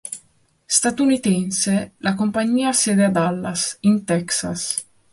Statunitense, la compagnia ha sede a Dallas, in Texas.